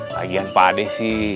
lagian pak adi sih